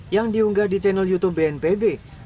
yang diunggah di channel youtube bnpb